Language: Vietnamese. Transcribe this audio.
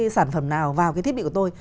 sản phẩm nào vào cái thiết bị của tôi